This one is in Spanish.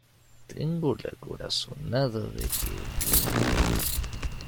tengo la corazonada de que...